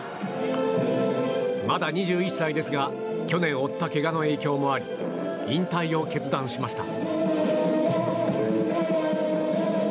まだ２１歳ですが去年負ったけがの影響もあり引退を決断しました。